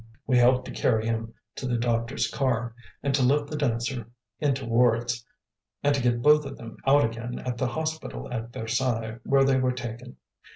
We helped to carry him to the doctor's car, and to lift the dancer into Ward's, and to get both of them out again at the hospital at Versailles, where they were taken.